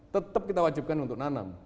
tetap kita wajibkan untuk nanam